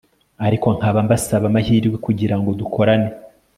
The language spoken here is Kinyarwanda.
ariko nkaba mbasaba amahirwe kugira ngo dukorane